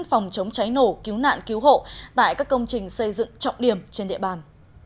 phòng chống cháy nổ cứu nạn cứu hộ tại các công trình xây dựng trọng điểm trên địa bàn